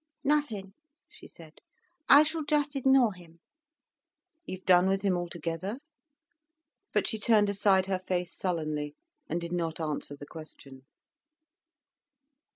"Nothing," she said. "I shall just ignore him." "You've done with him altogether?" But she turned aside her face sullenly, and did not answer the question.